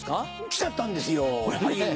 来ちゃったんですよはい。